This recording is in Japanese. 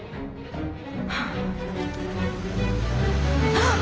あっ。